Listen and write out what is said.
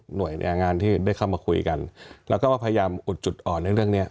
หน่วยงานที่ได้เข้ามาคุยกันแล้วก็พยายามอุดจุดอ่อนในเรื่องเนี้ย